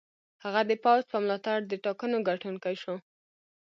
هغه د پوځ په ملاتړ د ټاکنو ګټونکی شو.